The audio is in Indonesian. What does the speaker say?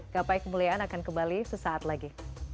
gapai kemuliaan akan kembali sesaat lagi